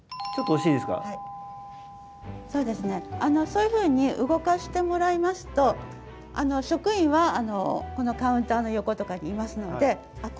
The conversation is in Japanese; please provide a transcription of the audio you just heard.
そういうふうに動かしてもらいますと職員はこのカウンターの横とかにいますのであっ